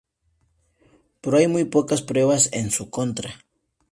Pero hay muy pocas pruebas en su contra.